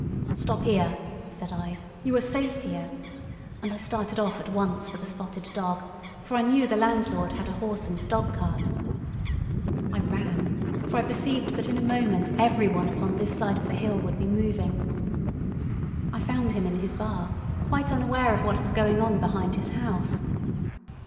"Stop here," said I; "you are safe here"; and I started off at once for the Spotted Dog, for I knew the landlord had a horse and dog cart. I ran, for I perceived that in a moment everyone upon this side of the hill would be moving. I found him in his bar, quite unaware of what was going on behind his house.